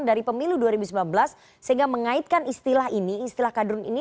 dari pemilu dua ribu sembilan belas sehingga mengaitkan istilah ini istilah kadrun ini